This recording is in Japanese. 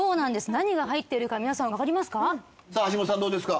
何が入っているか皆さんわかりますか？